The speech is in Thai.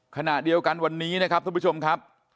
ขณะเดียวกันวันนี้นะครับท่านผู้ชมครับ